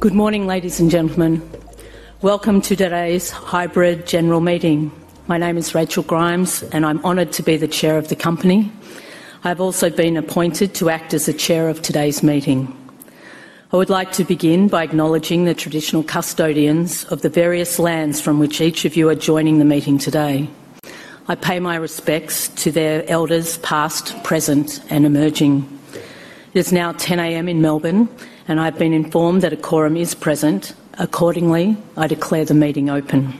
Good morning, ladies and gentlemen. Welcome to today's hybrid general meeting. My name is Rachel Grimes, and I'm honored to be the Chair of the company. I've also been appointed to act as the Chair of today's meeting. I would like to begin by acknowledging the traditional custodians of the various lands from which each of you are joining the meeting today. I pay my respects to their elders past, present, and emerging. It is now 10:00 A.M. in Melbourne, and I've been informed that a quorum is present. Accordingly, I declare the meeting open.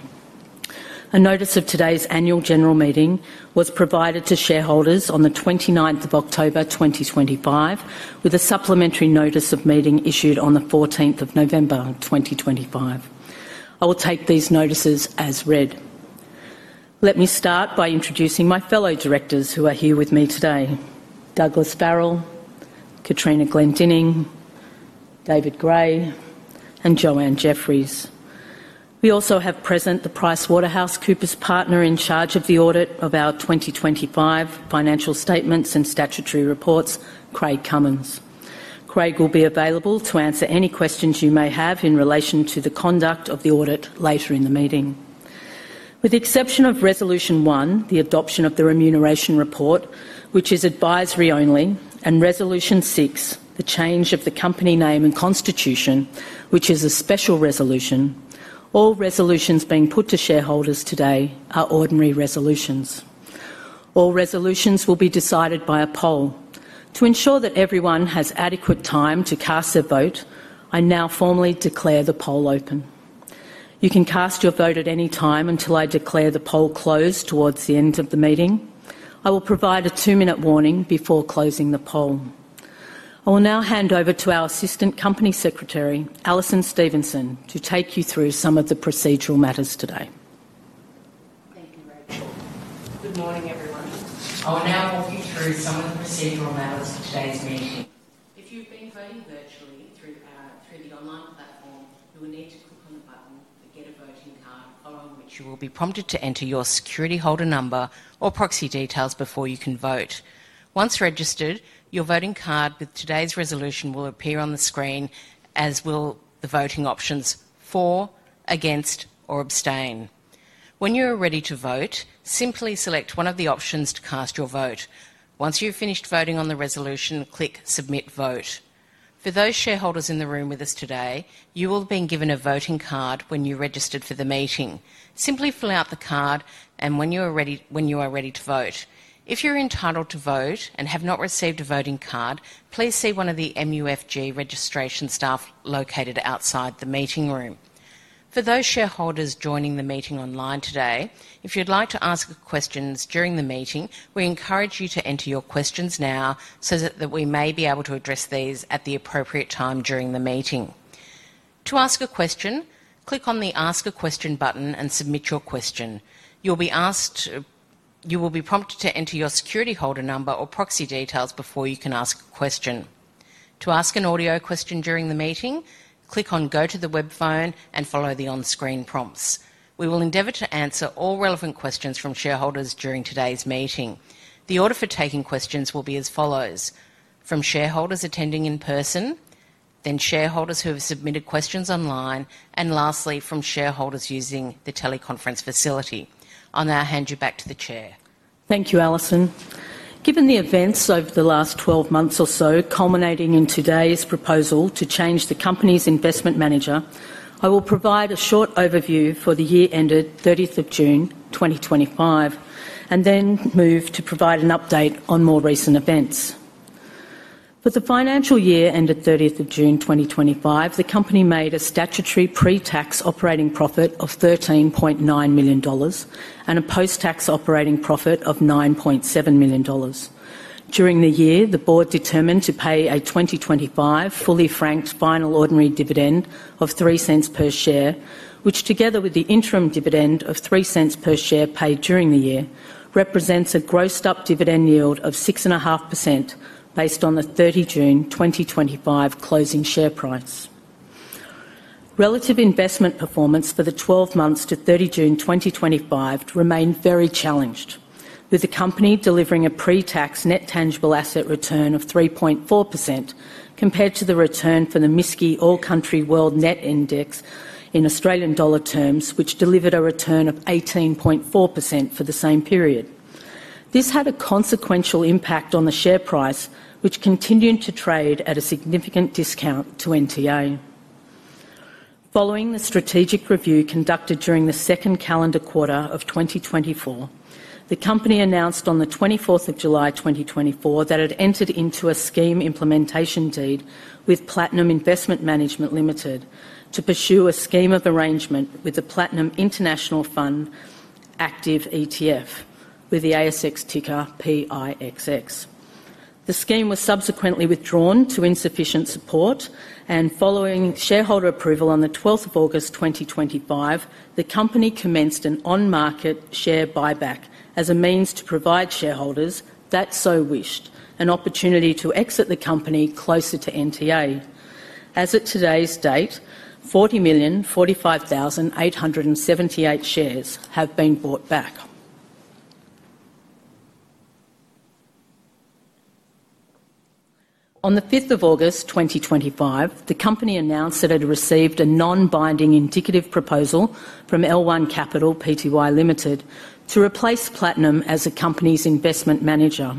A notice of today's annual general meeting was provided to shareholders on 29th of October 2025, with a supplementary notice of meeting issued on the 14th of November 2025. I will take these notices as read. Let me start by introducing my fellow directors who are here with me today: Douglas Farrell, Katrina Glendinning, David Gray, and Joanne Jefferies. We also have present the PricewaterhouseCoopers Partner in charge of the audit of our 2025 financial statements and statutory reports, Craig Cummins. Craig will be available to answer any questions you may have in relation to the conduct of the audit later in the meeting. With the exception of Resolution 1, the adoption of the remuneration report, which is advisory only, and Resolution 6, the change of the company name and constitution, which is a special resolution, all resolutions being put to shareholders today are ordinary resolutions. All resolutions will be decided by a poll. To ensure that everyone has adequate time to cast their vote, I now formally declare the poll open. You can cast your vote at any time until I declare the poll closed towards the end of the meeting. I will provide a two-minute warning before closing the poll. I will now hand over to our assistant company secretary, Alison Stevenson, to take you through some of the procedural matters today. Thank you, Rachel. Good morning, everyone. I will now walk you through some of the procedural matters for today's meeting. If you've been voting virtually through the online platform, you will need to click on the button to get a voting card, following which you will be prompted to enter your security holder number or proxy details before you can vote. Once registered, your voting card with today's resolution will appear on the screen, as will the voting options for, against, or abstain. When you are ready to vote, simply select one of the options to cast your vote. Once you've finished voting on the resolution, click submit vote. For those shareholders in the room with us today, you will have been given a voting card when you registered for the meeting. Simply fill out the card when you are ready to vote. If you're entitled to vote and have not received a voting card, please see one of the MUFG registration staff located outside the meeting room. For those shareholders joining the meeting online today, if you'd like to ask questions during the meeting, we encourage you to enter your questions now so that we may be able to address these at the appropriate time during the meeting. To ask a question, click on the ask a question button and submit your question. You'll be prompted to enter your security holder number or proxy details before you can ask a question. To ask an audio question during the meeting, click on go to the web phone and follow the on-screen prompts. We will endeavor to answer all relevant questions from shareholders during today's meeting. The order for taking questions will be as follows: from shareholders attending in person, then shareholders who have submitted questions online, and lastly, from shareholders using the teleconference facility. I'll now hand you back to the Chair. Thank you, Alison. Given the events over the last 12 months or so, culminating in today's proposal to change the company's investment manager, I will provide a short overview for the year ended 30th of June 2025 and then move to provide an update on more recent events. For the financial year ended 30th of June 2025, the company made a statutory pre-tax operating profit of AUD 13.9 million and a post-tax operating profit of AUD 9.7 million. During the year, the Board determined to pay a 2025 fully-franked final ordinary dividend of 0.03 per share, which, together with the interim dividend of 0.03 per share paid during the year, represents a grossed-up dividend yield of 6.5% based on the 30 June 2025 closing share price. Relative investment performance for the 12 months to 30 June 2025 remained very challenged, with the company delivering a pre-tax net tangible asset return of 3.4% compared to the return for the MSCI All Country World Net Index in Australian dollar terms, which delivered a return of 18.4% for the same period. This had a consequential impact on the share price, which continued to trade at a significant discount to NTA. Following the strategic review conducted during the second calendar quarter of 2024, the company announced on 24th of July 2024 that it entered into a scheme implementation deed with Platinum Investment Management Limited to pursue a scheme of arrangement with the Platinum International Fund Active ETF, with the ASX ticker PIXX. The scheme was subsequently withdrawn due to insufficient support, and following shareholder approval on 12th of August 2025, the company commenced an on-market share buyback as a means to provide shareholders that so wished an opportunity to exit the company closer to NTA. As of today's date, 40,045,878 shares have been bought back. On the 5th of August 2025, the Company announced that it had received a non-binding indicative proposal from L1 Capital Pty Ltd to replace Platinum as the company's investment manager.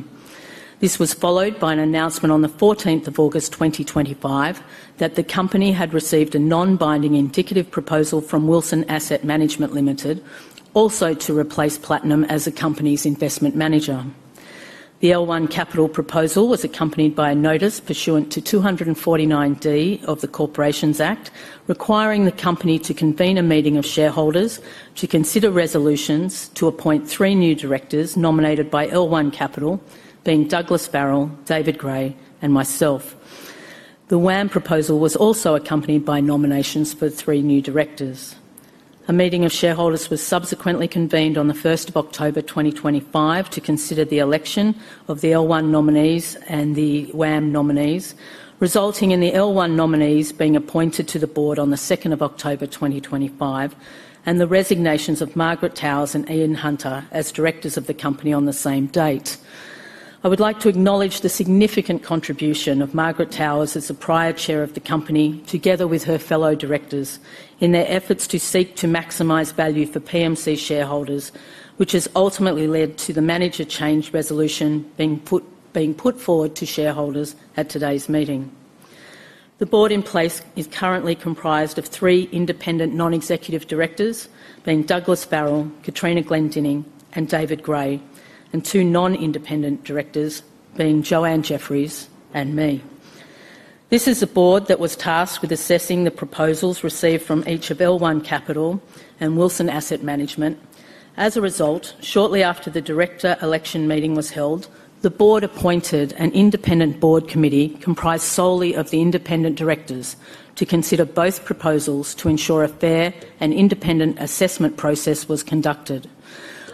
This was followed by an announcement on the 14th of August 2025 that the Company had received a non-binding indicative proposal from Wilson Asset Management Limited, also to replace Platinum as the company's investment manager. The L1 Capital proposal was accompanied by a notice pursuant to 249(d) of the Corporations Act, requiring the company to convene a meeting of shareholders to consider resolutions to appoint three new directors nominated by L1 Capital, being Douglas Farrell, David Gray, and myself. The WAM proposal was also accompanied by nominations for three new directors. A meeting of shareholders was subsequently convened on 1st of October 2025 to consider the election of the L1 nominees and the WAM nominees, resulting in the L1 nominees being appointed to the Board on 2nd of October 2025 and the resignations of Margaret Towers and Ian Hunter as directors of the Company on the same date. I would like to acknowledge the significant contribution of Margaret Towers as the prior Chair of the company, together with her fellow directors, in their efforts to seek to maximize value for PMC shareholders, which has ultimately led to the manager change resolution being put forward to shareholders at today's meeting. The Board in place is currently comprised of three independent non-executive directors, being Douglas Farrell, Katrina Glendinning, and David Gray, and two non-independent directors, being Joanne Jefferies and me. This is a Board that was tasked with assessing the proposals received from each of L1 Capital and Wilson Asset Management. As a result, shortly after the director election meeting was held, the Board appointed an independent board committee comprised solely of the independent directors to consider both proposals to ensure a fair and independent assessment process was conducted.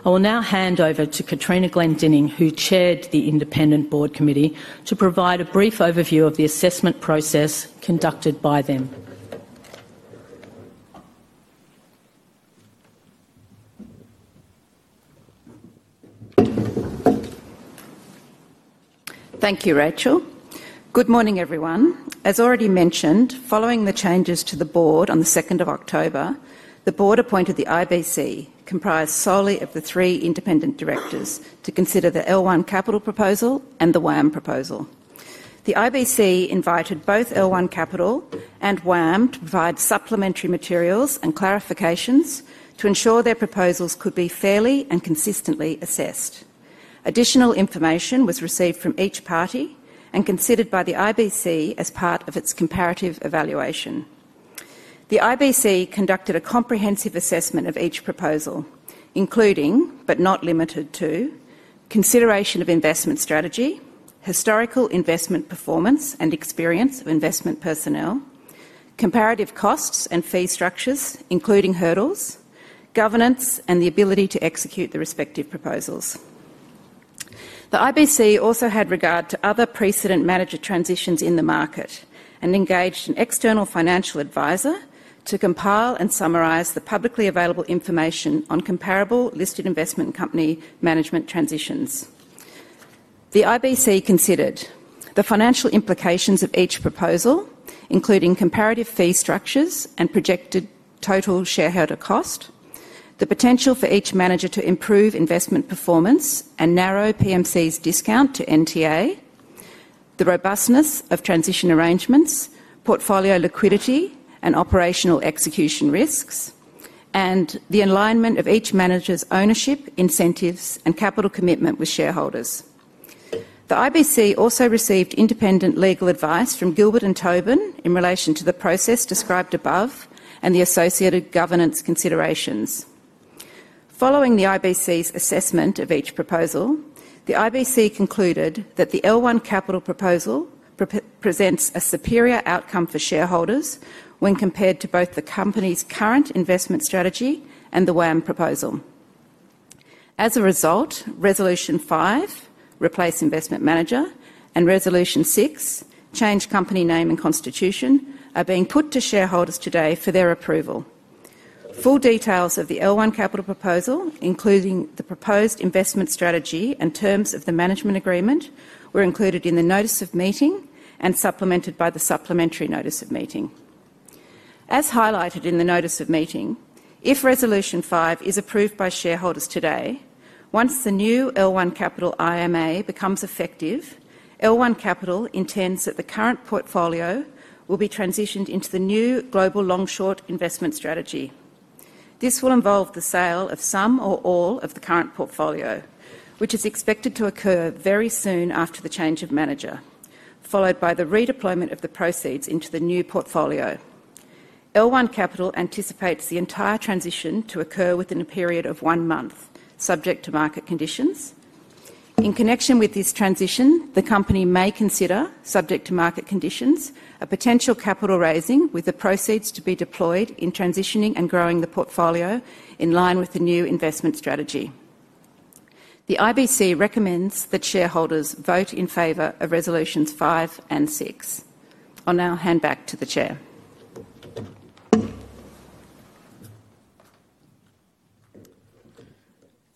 I will now hand over to Katrina Glendinning, who chaired the independent board committee, to provide a brief overview of the assessment process conducted by them. Thank you, Rachel. Good morning, everyone. As already mentioned, following the changes to the Board on the 2nd of October, the Board appointed the IBC, comprised solely of the three independent directors, to consider the L1 Capital proposal and the WAM proposal. The IBC invited both L1 Capital and WAM to provide supplementary materials and clarifications to ensure their proposals could be fairly and consistently assessed. Additional information was received from each party and considered by the IBC as part of its comparative evaluation. The IBC conducted a comprehensive assessment of each proposal, including, but not limited to, consideration of investment strategy, historical investment performance and experience of investment personnel, comparative costs and fee structures, including hurdles, governance, and the ability to execute the respective proposals. The IBC also had regard to other precedent manager transitions in the market and engaged in external financial advisor to compile and summarize the publicly available information on comparable listed investment company management transitions. The IBC considered the financial implications of each proposal, including comparative fee structures and projected total shareholder cost, the potential for each manager to improve investment performance and narrow PMC's discount to NTA, the robustness of transition arrangements, portfolio liquidity and operational execution risks, and the alignment of each manager's ownership, incentives, and capital commitment with shareholders. The IBC also received independent legal advice from Gilbert + Tobin in relation to the process described above and the associated governance considerations. Following the IBC's assessment of each proposal, the IBC concluded that the L1 Capital proposal presents a superior outcome for shareholders when compared to both the Company's current investment strategy and the WAM proposal. As a result, Resolution 5, Replace Investment Manager, and Resolution 6, change company name and xonstitution, are being put to shareholders today for their approval. Full details of the L1 Capital proposal, including the proposed investment strategy and terms of the management agreement, were included in the notice of meeting and supplemented by the supplementary notice of meeting. As highlighted in the notice of meeting, if Resolution 5 is approved by shareholders today, once the new L1 Capital IMA becomes effective, L1 Capital intends that the current portfolio will be transitioned into the new global long-short investment strategy. This will involve the sale of some or all of the current portfolio, which is expected to occur very soon after the change of manager, followed by the redeployment of the proceeds into the new portfolio. L1 Capital anticipates the entire transition to occur within a period of one month, subject to market conditions. In connection with this transition, the company may consider, subject to market conditions, a potential capital raising with the proceeds to be deployed in transitioning and growing the portfolio in line with the new investment strategy. The IBC recommends that shareholders vote in favor of Resolutions 5 and 6. I'll now hand back to the Chair.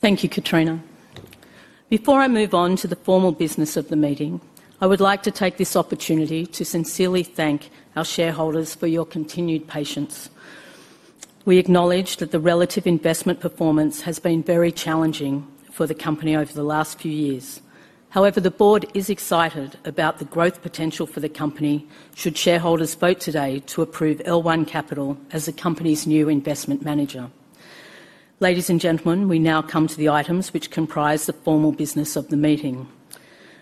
Thank you, Katrina. Before I move on to the formal business of the meeting, I would like to take this opportunity to sincerely thank our shareholders for your continued patience. We acknowledge that the relative investment performance has been very challenging for the company over the last few years. However, the Board is excited about the growth potential for the company should shareholders vote today to approve L1 Capital as the company's new investment manager. Ladies and gentlemen, we now come to the items which comprise the formal business of the meeting.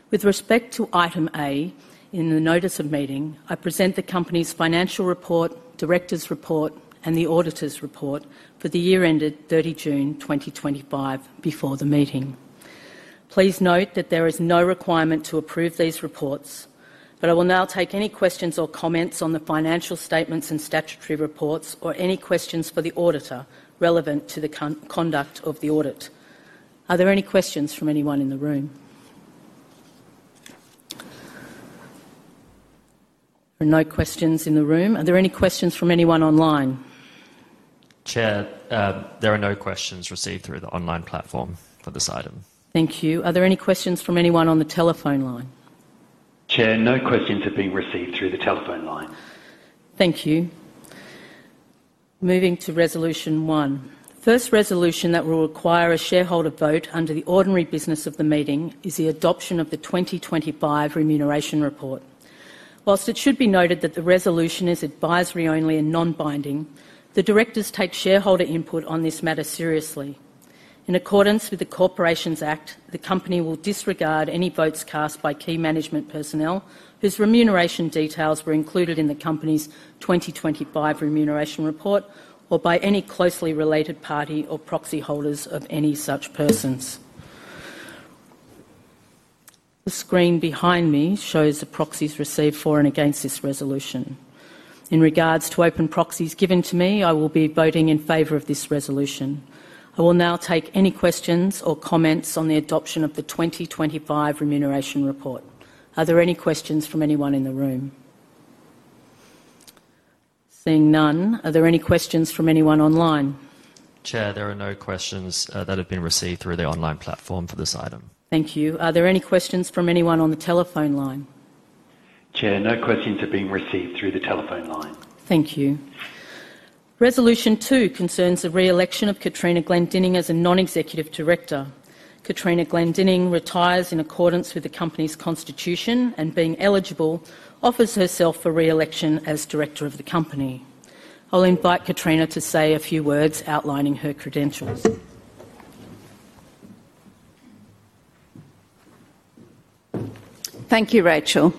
With respect to Item A in the notice of meeting, I present the company's financial report, director's report, and the auditor's report for the year ended 30 June 2025 before the meeting. Please note that there is no requirement to approve these reports, but I will now take any questions or comments on the financial statements and statutory reports or any questions for the auditor relevant to the conduct of the audit. Are there any questions from anyone in the room? There are no questions in the room. Are there any questions from anyone online? Chair, there are no questions received through the online platform for this item. Thank you. Are there any questions from anyone on the telephone line? Chair, no questions have been received through the telephone line. Thank you. Moving to Resolution 1. The first resolution that will require a shareholder vote under the ordinary business of the meeting is the adoption of the 2025 remuneration report. Whilst it should be noted that the resolution is advisory only and non-binding, the directors take shareholder input on this matter seriously. In accordance with the Corporations Act, the company will disregard any votes cast by key management personnel whose remuneration details were included in the company's 2025 remuneration report or by any closely related party or proxy holders of any such persons. The screen behind me shows the proxies received for and against this resolution. In regards to open proxies given to me, I will be voting in favor of this resolution. I will now take any questions or comments on the adoption of the 2025 remuneration report. Are there any questions from anyone in the room? Seeing none, are there any questions from anyone online? Chair, there are no questions that have been received through the online platform for this item. Thank you. Are there any questions from anyone on the telephone line? Chair, no questions have been received through the telephone line. Thank you. Resolution 2 concerns the re-election of Katrina Glendinning as a non-executive director. Katrina Glendinning retires in accordance with the company's constitution and, being eligible, offers herself for re-election as director of the company. I'll invite Katrina to say a few words outlining her credentials. Thank you, Rachel.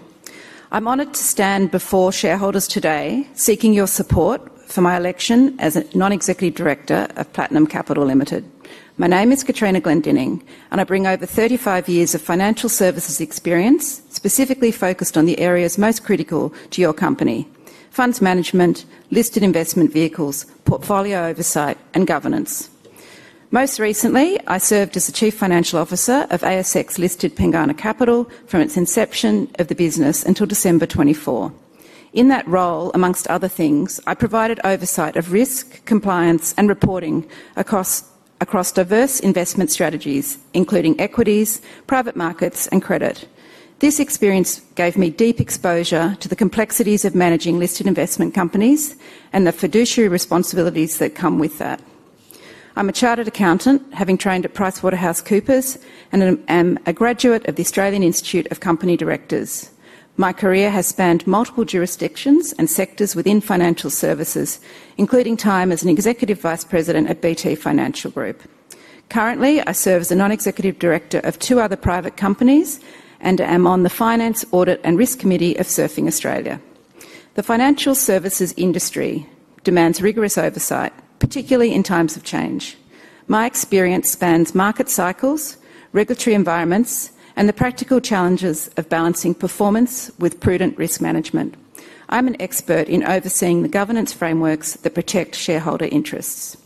I'm honored to stand before shareholders today seeking your support for my election as a non-executive director of Platinum Capital Limited. My name is Katrina Glendinning, and I bring over 35 years of financial services experience, specifically focused on the areas most critical to your company: funds management, listed investment vehicles, portfolio oversight, and governance. Most recently, I served as the Chief Financial Officer of ASX-listed Pengana Capital from its inception of the business until December 2024. In that role, amongst other things, I provided oversight of risk, compliance, and reporting across diverse investment strategies, including equities, private markets, and credit. This experience gave me deep exposure to the complexities of managing listed investment companies and the fiduciary responsibilities that come with that. I'm a chartered accountant, having trained at PricewaterhouseCoopers, and I'm a graduate of the Australian Institute of Company Directors. My career has spanned multiple jurisdictions and sectors within financial services, including time as an executive vice president at BT Financial Group. Currently, I serve as a non-executive director of two other private companies and am on the Finance, Audit, and Risk Committee of Surfing Australia. The financial services industry demands rigorous oversight, particularly in times of change. My experience spans market cycles, regulatory environments, and the practical challenges of balancing performance with prudent risk management. I'm an expert in overseeing the governance frameworks that protect shareholder interests.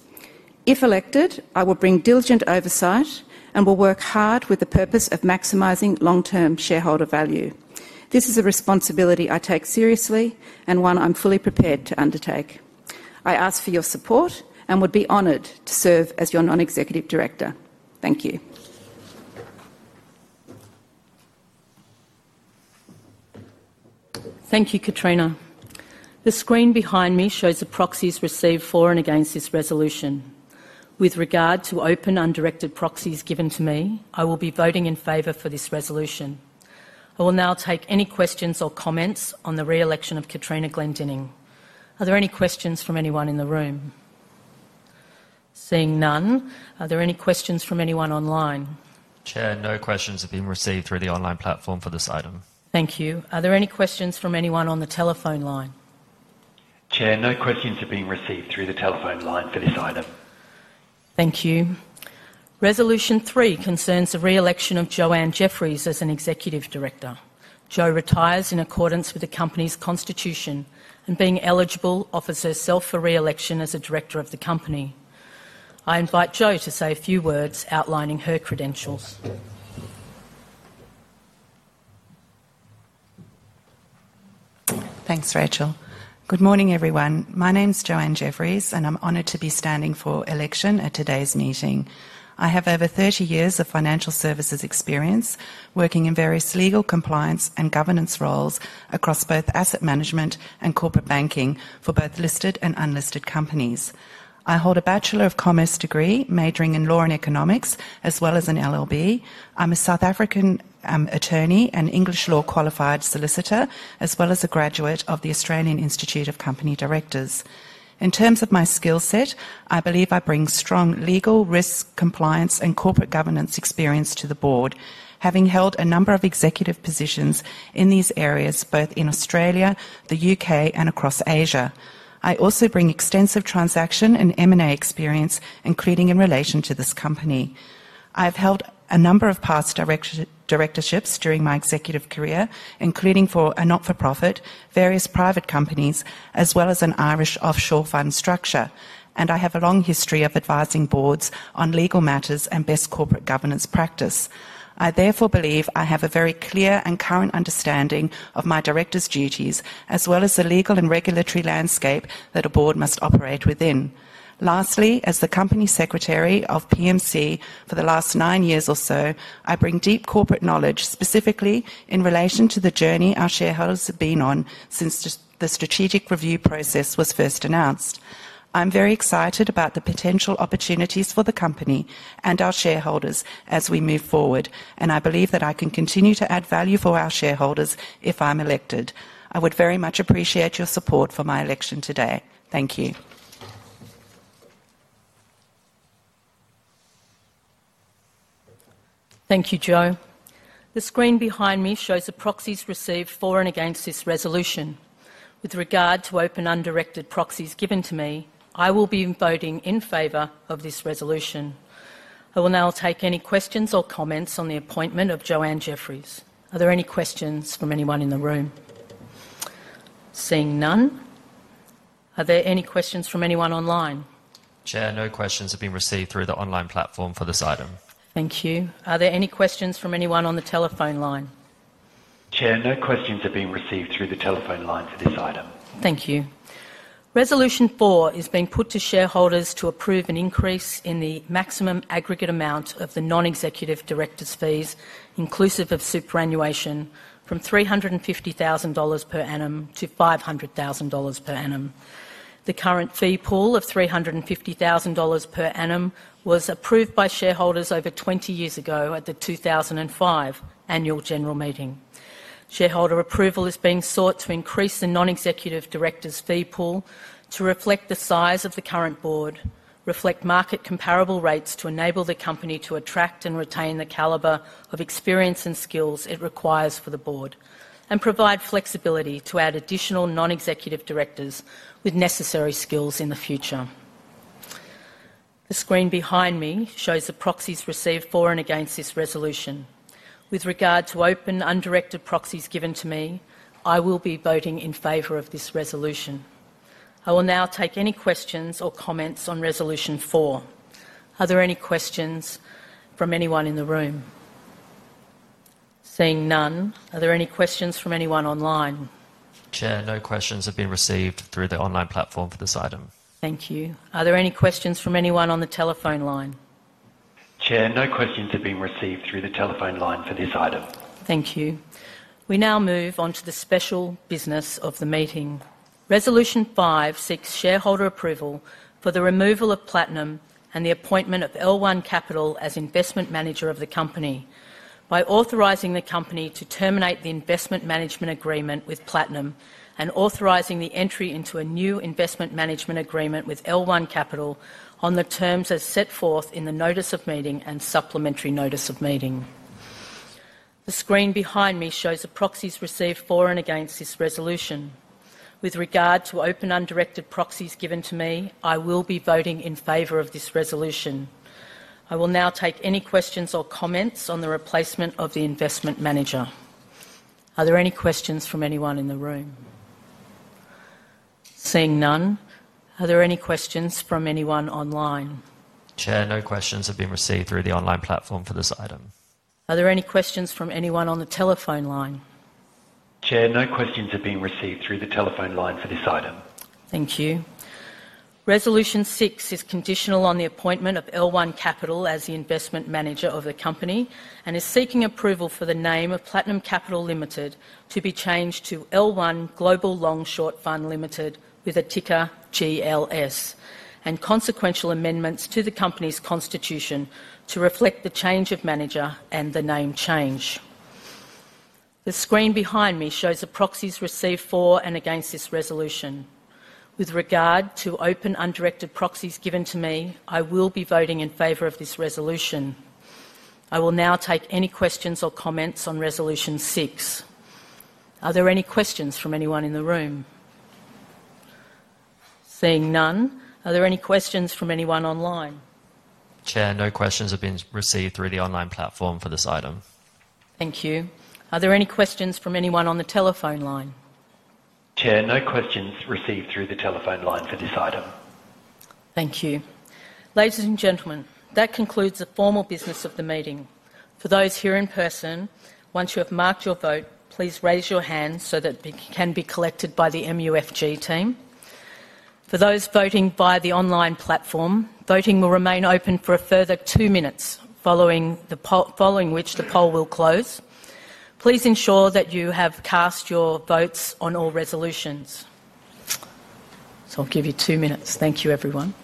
If elected, I will bring diligent oversight and will work hard with the purpose of maximizing long-term shareholder value. This is a responsibility I take seriously and one I'm fully prepared to undertake. I ask for your support and would be honored to serve as your non-executive director. Thank you. Thank you, Katrina. The screen behind me shows the proxies received for and against this resolution. With regard to open undirected proxies given to me, I will be voting in favor for this resolution. I will now take any questions or comments on the re-election of Katrina Glendinning. Are there any questions from anyone in the room? Seeing none, are there any questions from anyone online? Chair, no questions have been received through the online platform for this item. Thank you. Are there any questions from anyone on the telephone line? Chair, no questions have been received through the telephone line for this item. Thank you. Resolution 3 concerns the re-election of Joanne Jefferies as an executive director. Jo retires in accordance with the company's constitution and, being eligible, offers herself for re-election as a director of the company. I invite Jo to say a few words outlining her credentials. Thanks, Rachel. Good morning, everyone. My name is Joanne Jefferies, and I'm honored to be standing for election at today's meeting. I have over 30 years of financial services experience working in various legal, compliance, and governance roles across both asset management and corporate banking for both listed and unlisted companies. I hold a Bachelor of Commerce degree majoring in law and economics, as well as an LLB. I'm a South African attorney, an English law qualified solicitor, as well as a graduate of the Australian Institute of Company Directors. In terms of my skill set, I believe I bring strong legal, risk, compliance, and corporate governance experience to the Board, having held a number of executive positions in these areas both in Australia, the U.K., and across Asia. I also bring extensive transaction and M&A experience, including in relation to this Company. I've held a number of past directorships during my executive career, including for a not-for-profit, various private companies, as well as an Irish offshore fund structure, and I have a long history of advising boards on legal matters and best corporate governance practice. I therefore believe I have a very clear and current understanding of my director's duties, as well as the legal and regulatory landscape that a Board must operate within. Lastly, as the company secretary of PMC for the last nine years or so, I bring deep corporate knowledge, specifically in relation to the journey our shareholders have been on since the strategic review process was first announced. I'm very excited about the potential opportunities for the company and our shareholders as we move forward, and I believe that I can continue to add value for our shareholders if I'm elected. I would very much appreciate your support for my election today. Thank you. Thank you, Jo. The screen behind me shows the proxies received for and against this resolution. With regard to open undirected proxies given to me, I will be voting in favor of this resolution. I will now take any questions or comments on the appointment of Joanne Jefferies. Are there any questions from anyone in the room? Seeing none, are there any questions from anyone online? Chair, no questions have been received through the online platform for this item. Thank you. Are there any questions from anyone on the telephone line? Chair, no questions have been received through the telephone line for this item. Thank you. Resolution 4 is being put to shareholders to approve an increase in the maximum aggregate amount of the non-executive director's fees, inclusive of superannuation, from 350,000 dollars per annum to 500,000 dollars per annum. The current fee pool of 350,000 dollars per annum was approved by shareholders over 20 years ago at the 2005 annual general meeting. Shareholder approval is being sought to increase the non-executive director's fee pool to reflect the size of the current Board, reflect market comparable rates to enable the company to attract and retain the caliber of experience and skills it requires for the Board, and provide flexibility to add additional non-executive directors with necessary skills in the future. The screen behind me shows the proxies received for and against this resolution. With regard to open undirected proxies given to me, I will be voting in favor of this resolution. I will now take any questions or comments on Resolution 4. Are there any questions from anyone in the room? Seeing none, are there any questions from anyone online? Chair, no questions have been received through the online platform for this item. Thank you. Are there any questions from anyone on the telephone line? Chair, no questions have been received through the telephone line for this item. Thank you. We now move on to the special business of the meeting. Resolution 5 seeks shareholder approval for the removal of Platinum and the appointment of L1 Capital as investment manager of the Company by authorizing the company to terminate the investment management agreement with Platinum and authorizing the entry into a new investment management agreement with L1 Capital on the terms as set forth in the notice of meeting and supplementary notice of meeting. The screen behind me shows the proxies received for and against this resolution. With regard to open undirected proxies given to me, I will be voting in favor of this resolution. I will now take any questions or comments on the replacement of the investment manager. Are there any questions from anyone in the room? Seeing none, are there any questions from anyone online? Chair, no questions have been received through the online platform for this item. Are there any questions from anyone on the telephone line? Chair, no questions have been received through the telephone line for this item. Thank you. Resolution 6 is conditional on the appointment of L1 Capital as the investment manager of the company and is seeking approval for the name of Platinum Capital Limited to be changed to L1 Global Long Short Fund Limited with a ticker GLS and consequential amendments to the Company's constitution to reflect the change of manager and the name change. The screen behind me shows the proxies received for and against this resolution. With regard to open undirected proxies given to me, I will be voting in favor of this resolution. I will now take any questions or comments on Resolution 6. Are there any questions from anyone in the room? Seeing none, are there any questions from anyone online? Chair, no questions have been received through the online platform for this item. Thank you. Are there any questions from anyone on the telephone line? Chair, no questions received through the telephone line for this item. Thank you. Ladies and gentlemen, that concludes the formal business of the meeting. For those here in person, once you have marked your vote, please raise your hand so that it can be collected by the MUFG team. For those voting via the online platform, voting will remain open for a further two minutes, following which the poll will close. Please ensure that you have cast your votes on all resolutions. I will give you two minutes. Thank you, everyone.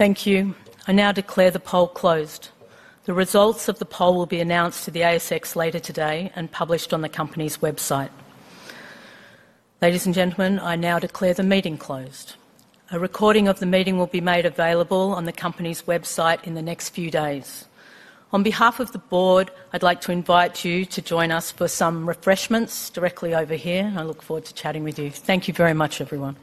Thank you. I now declare the poll closed. The results of the poll will be announced to the ASX later today and published on the company's website. Ladies and gentlemen, I now declare the meeting closed. A recording of the meeting will be made available on the Company's website in the next few days. On behalf of the Board, I'd like to invite you to join us for some refreshments directly over here, and I look forward to chatting with you. Thank you very much, everyone.